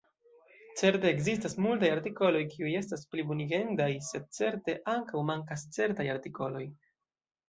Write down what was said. Certe ekzistas multaj artikoloj kiuj estas plibonigendaj, sed certe ankaŭ mankas certaj artikoloj.